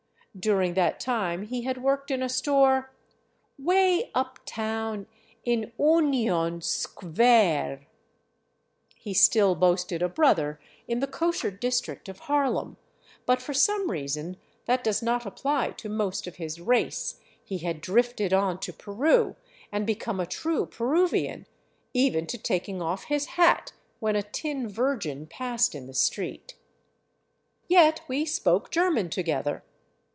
During that time he had worked in a store " way uptown in Oonion Sqvare." He still boasted a brother in the koscher district of Harlem, but for some reason that does not apply to most of his race he had drifted on to Peru and become a true Peruvian, even to taking off his hat when a tin Virgin passed in the street. Yet we spoke German together.